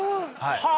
はい。